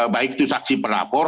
baik itu saksi pelapor